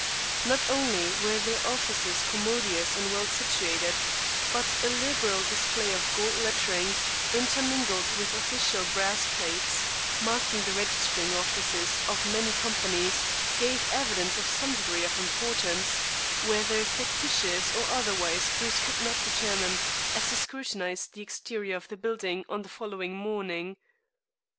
Not only were their offices commodious and well situated, but a liberal display of gold lettering, intermingled with official brass plates marking the registering offices of many companies, gave evidence of some degree of importance whether fictitious or otherwise Bruce could not determine, as he scrutinized the exterior of the building on the following morning.